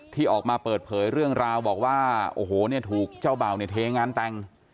ที่ออกมาเปิดเผยเรื่องราวบอกว่าโอ้โหเนี่ยถูกเจ้าเบ่าเนี่ยเทงานแต่ง